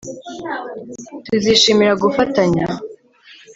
Tuzishimira gufatanya